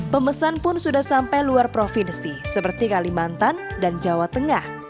pemesan pun sudah sampai luar provinsi seperti kalimantan dan jawa tengah